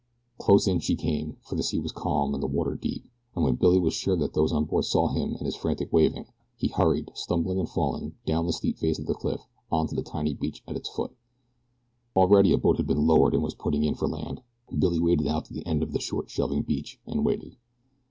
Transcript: Close in she came, for the sea was calm and the water deep, and when Billy was sure that those on board saw him and his frantic waving, he hurried, stumbling and falling, down the steep face of the cliff to the tiny beach at its foot. Already a boat had been lowered and was putting in for land. Billy waded out to the end of the short shelving beach and waited.